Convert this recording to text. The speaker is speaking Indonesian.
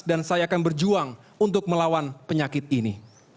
dan saya akan berjuang untuk melawan penyakit ini